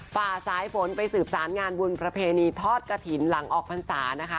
ป่าซ้ายฝนไปสืบสารงานบุญประเพณีทอดกธินหลังออกพรรษา